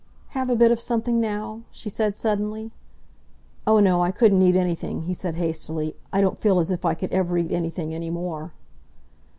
"Have a bit of something now?" she said suddenly. "Oh, no, I couldn't eat anything," he said hastily. "I don't feel as if I could ever eat anything any more."